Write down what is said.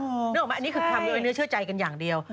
นึกออกไหมอันนี้คือทำด้วยเนื้อเชื่อใจกันอย่างเดียว